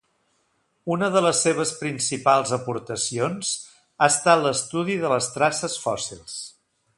Una de les seves principals aportacions ha estat l'estudi de les traces fòssils.